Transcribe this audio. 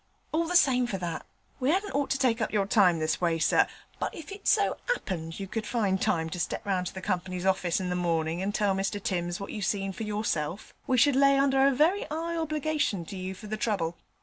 All the same for that, we 'adn't ought to take up your time this way, sir; but if it so 'appened you could find time to step round to the Company's orfice in the morning and tell Mr Timms what you seen for yourself, we should lay under a very 'igh obligation to you for the trouble.